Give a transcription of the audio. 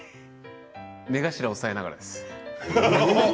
目頭を押さえながらです。